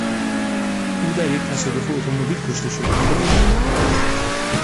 او در یک تصادف اتومبیل کشته شد.